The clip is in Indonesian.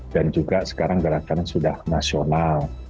dan juga sekarang gerakan sudah nasional